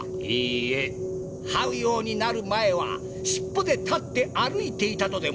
はうようになる前は尻尾で立って歩いていたとでも？